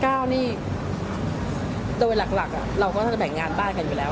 นี่โดยหลักเราก็จะแบ่งงานบ้านกันอยู่แล้ว